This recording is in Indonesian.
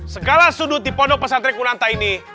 segala sudut di pondok pesantren kunanta ini